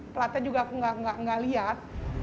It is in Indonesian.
platnya juga aku nggak lihat